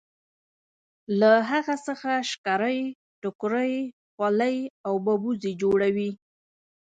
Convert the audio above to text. له هغه څخه شکرۍ ټوکرۍ خولۍ او ببوزي جوړوي.